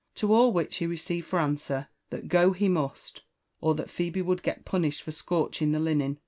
" To all which he received for answer that go he must, or that Phebe would get punished for scorching the linen.